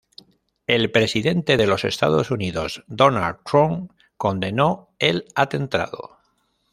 El presidente de los Estados Unidos, Donald Trump condenó el atentado.